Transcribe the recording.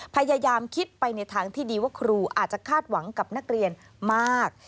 พยายามคิดไปในทางที่ดีว่าครูอาจจะคาดหวังกับนักเรียนมาก